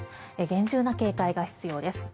厳重な警戒が必要です。